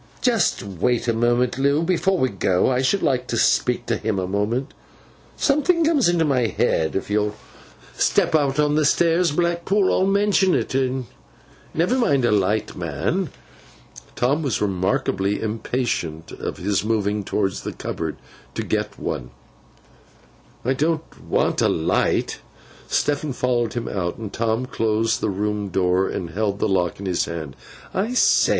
'Just wait a moment, Loo! Before we go, I should like to speak to him a moment. Something comes into my head. If you'll step out on the stairs, Blackpool, I'll mention it. Never mind a light, man!' Tom was remarkably impatient of his moving towards the cupboard, to get one. 'It don't want a light.' Stephen followed him out, and Tom closed the room door, and held the lock in his hand. 'I say!